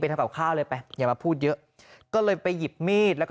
ทำกับข้าวเลยไปอย่ามาพูดเยอะก็เลยไปหยิบมีดแล้วก็